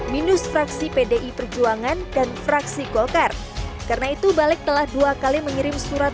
minus fraksi pdi perjuangan dan fraksi golkar karena itu balik telah dua kali mengirim surat